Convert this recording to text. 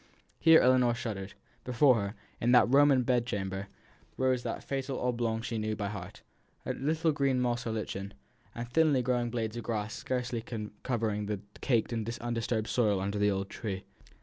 Here Ellinor shuddered. Before her, in that Roman bed chamber, rose the fatal oblong she knew by heart a little green moss or lichen, and thinly growing blades of grass scarcely covering the caked and undisturbed soil under the old tree.